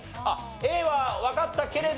Ａはわかったけれども。